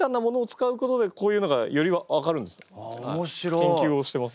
研究をしてます。